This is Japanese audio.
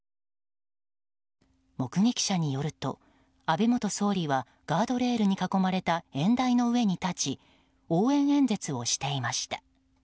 目撃者によると、安倍元総理はガードレールに囲まれた演台の上に立ち応援演説をしていました。